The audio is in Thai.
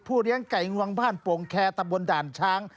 เลี้ยงไก่งวงบ้านโป่งแคร์ตะบนด่านช้าง